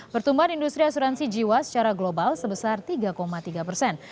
pertumbuhan industri asuransi jiwa secara global sebesar tiga tiga persen